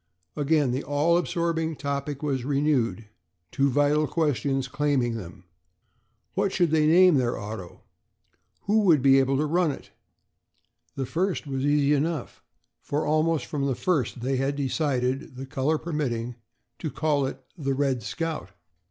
Again the all absorbing topic was renewed, two vital questions claiming them. What should they name their auto? Who would be able to run it? The first was easy enough, for almost from the first they had decided, the color permitting, to call it the "Red Scout."